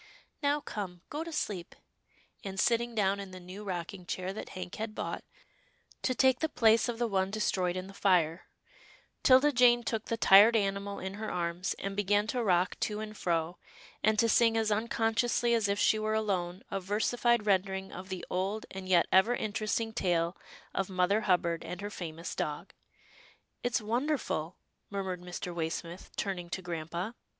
" Now come, go to sleep," and, sitting down in the new rocking chair that Hank had bought, to take the place of the one destroyed in the fire, 'Tilda Jane took the tired animal in her arms, and began to rock to and fro, and to sing as unconsciously as if she were alone, a versified rendering of the old and yet ever interesting tale of Mother Hubbard and her famous dog. " It's wonderful," murmured Mr. Waysmith, turning to grampa.